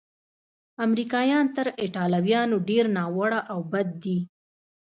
امریکایان تر ایټالویانو ډېر ناوړه او بد دي.